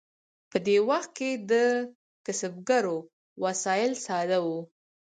په دې وخت کې د کسبګرو وسایل ساده وو.